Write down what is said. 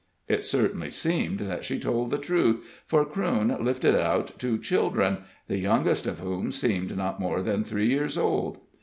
It certainly seemed that she told the truth, for Crewne lifted out two children, the youngest of whom seemed not more than three years old.